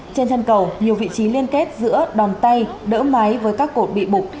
trên chân cầu nhiều vị trí liên kết giữa đòn tay đỡ máy với các cột bị bụt